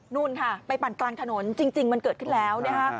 นู่นค่ะไปปั่นกลางถนนจริงมันเกิดขึ้นแล้วนะฮะ